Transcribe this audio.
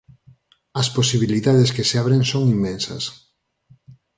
As posibilidades que se abren son inmensas.